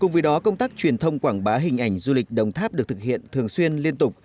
cùng với đó công tác truyền thông quảng bá hình ảnh du lịch đồng tháp được thực hiện thường xuyên liên tục